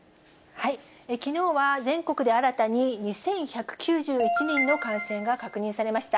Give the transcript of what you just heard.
きのうは全国で新たに２１９１人の感染が確認されました。